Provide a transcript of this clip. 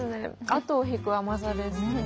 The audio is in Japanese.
後を引く甘さです。